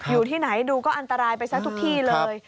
อยู่ที่ไหนดูก็อันตรายไปซะทุกที่เลย